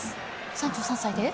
３３歳で。